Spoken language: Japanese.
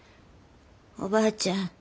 おばあちゃん